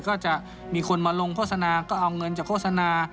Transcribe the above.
ก็จะมีคนมาลงโฆษณาก็เอาเงินจากโฆษณา